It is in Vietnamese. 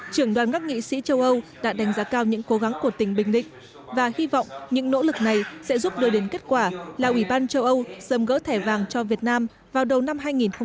trưởng đoàn các nghị sĩ châu âu đã đánh giá cao những cố gắng của tỉnh bình định và hy vọng những nỗ lực này sẽ giúp đưa đến kết quả là ủy ban châu âu sầm gỡ thẻ vàng cho việt nam vào đầu năm hai nghìn hai mươi